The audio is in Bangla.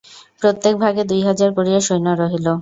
প্রত্যেক ভাগে দুই হাজার করিয়া সৈন্য রহিল।